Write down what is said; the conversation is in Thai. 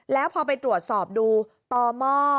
แล้วพอไปตรวจสอบดูต่อหม้อ